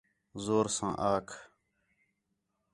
زور ساں آکھ